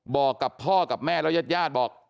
บอกกับพ่อกับแม่แล้วยาดบอก